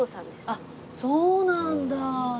あっそうなんだ。